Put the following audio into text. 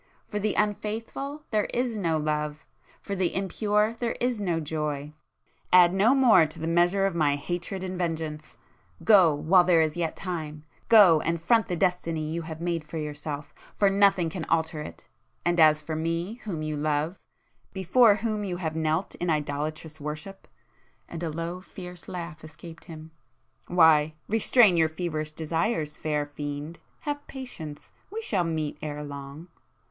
For the unfaithful there is no love,—for the impure there is no joy. Add no more to the measure of my hatred and vengeance!—Go while there is yet time,—go and front the destiny you have made for yourself—for nothing can alter it! And as for me, whom you love,—before whom you have knelt in idolatrous worship—" and a low fierce laugh escaped him—"why,—restrain your feverish desires, fair fiend!—have patience!—we shall meet ere long!"